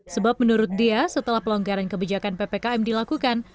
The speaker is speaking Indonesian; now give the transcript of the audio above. sebab menurut dia setelah pelonggaran kebijakan ppkm dilakukan